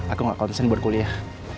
aku ga konsen buat kuliah